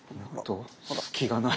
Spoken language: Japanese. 隙がない。